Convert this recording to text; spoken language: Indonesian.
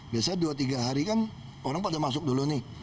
biasanya dua tiga hari kan orang pada masuk dulu nih